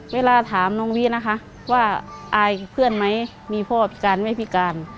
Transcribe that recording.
เวลาถามน้องวินะคะว่าอายเพื่อนไหมมีพ่อพิการไม่พิการ